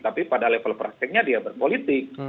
tapi pada level prakteknya dia berpolitik